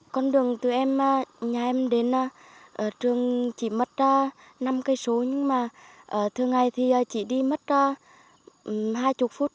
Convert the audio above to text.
con đường từ nhà em đến trường chỉ mất năm km nhưng mà thường ngày thì chỉ đi mất hai mươi phút